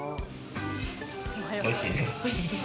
おいしいです。